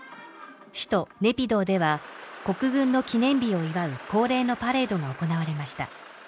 首都・ネピドーでは国軍の記念日を祝う恒例のパレードが行われました